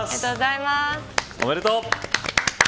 おめでとう。